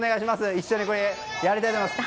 一緒にやりたいと思います。